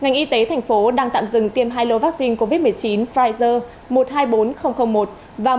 ngành y tế thành phố đang tạm dừng tiêm hai lô vaccine covid một mươi chín pfizer một trăm hai mươi bốn nghìn một và một trăm hai mươi ba nghìn hai